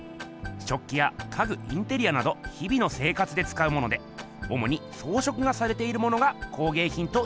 食器や家具インテリアなど日々の生活でつかうものでおもにそうしょくがされているものが工げいひんとよばれています。